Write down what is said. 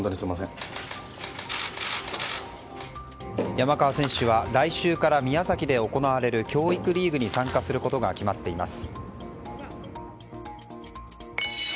山川選手は来週から宮崎で行われる教育リーグに参加することが決まっています。